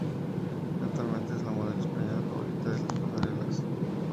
Actualmente es la modelo española favorita en las pasarelas.